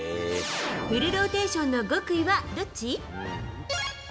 フルローテーションの極意はどっち？